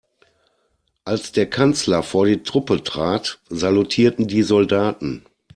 Als der Kanzler vor die Truppe trat, salutierten die Soldaten.